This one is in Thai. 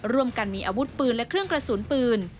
ร่วมกันมีอาวุธปืนและเครื่องกระสุนปืน